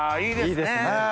いいですね。